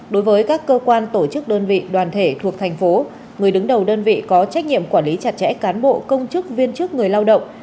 đối với các cơ quan tổ chức đơn vị đoàn thể thuộc thành phố người đứng đầu đơn vị có trách nhiệm quản lý chặt chẽ cán bộ công chức viên chức người lao động